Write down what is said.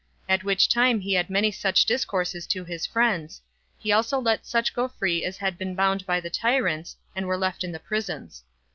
At which time he had many such discourses to his friends; he also let such go free as had been bound by the tyrants, and were left in the prisons.